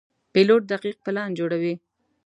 پیلوټ دقیق پلان جوړوي.